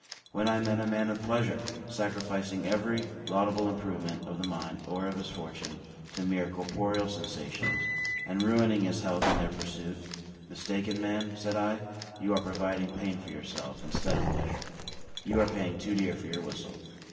When I met a man of pleasure, sacrificing every laudable improvement of the mind, or of his fortune, to mere corporeal sensations, and ruining his health in their pursuit "Mistaken man," said I, "you are providing pain for yourself, instead of pleasure; you are paying too dear for your whistle."